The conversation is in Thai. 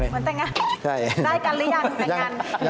ยังไม่ได้กันเลย